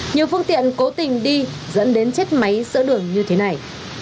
nhiều phương tiện cố tình đi dẫn đến chết máy giữa đường như thế này